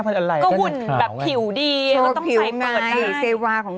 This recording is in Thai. ก็หุ่นแบบผิวดีมันต้องใช้เปิดได้โชว์ผิวไงเซวาของนา